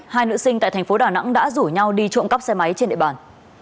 hai nữ sinh tại thành phố đà nẵng đã rủ nhau đi trộm cắp xe máy trên địa bàn